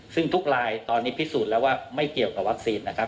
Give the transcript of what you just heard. ซึ่งทุกลายตอนนี้พิสูจน์แล้วว่าไม่เกี่ยวกับวัคซีนนะครับ